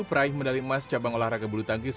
praih medali emas cabang olahraga bulutangkis